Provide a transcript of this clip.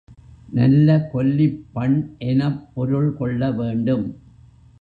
நல்ல கொல்லிப் பண் எனப் பொருள் கொள்ள வேண்டும்.